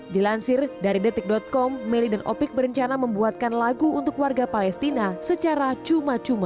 dilansir dari detik com melly dan opic berencana membuatkan lagu untuk warga palestina secara cuma cuma